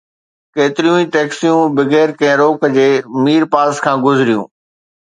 ڪيتريون ئي ٽئڪسيون بغير ڪنهن روڪ جي مير پاس کان گذريون